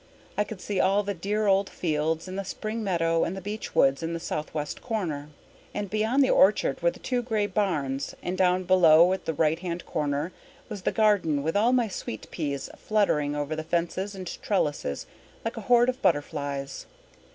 I could see all the dear old fields and the spring meadow and the beech woods in the southwest corner. And beyond the orchard were the two grey barns and down below at the right hand corner was the garden with all my sweet peas fluttering over the fences and trellises like a horde of butterflies.